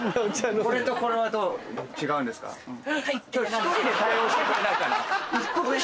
１人で対応してくれないかな。